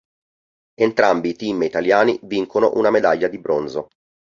Entrambi i team italiani vincono una medaglia di bronzo.